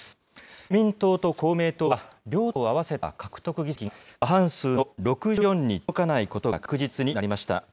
自民党と公明党は両党合わせた獲得議席が過半数の６４に届かないことが確実になりました。